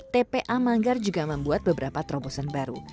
tpa manggar juga membuat beberapa terobosan baru